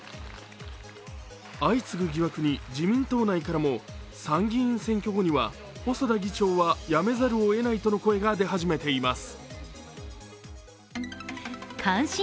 相次ぐ疑惑に自民党内からも参議院選挙後には細田議長はやめざるをえないとの声が出始めています。